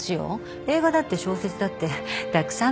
映画だって小説だってたくさん名作があるわ。